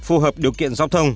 phù hợp điều kiện giao thông